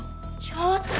ちょっと！